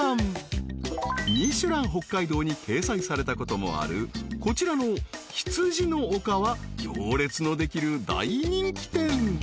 ［『ミシュラン北海道』に掲載されたこともあるこちらのひつじの丘は行列のできる大人気店］